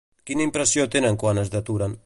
Quina impressió tenen quan es deturen?